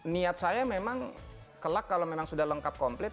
niat saya memang kelak kalau memang sudah lengkap komplit